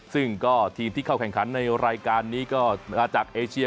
ซึ่งก็ทีมที่เข้าแข่งขันในรายการนี้ก็มาจากเอเชีย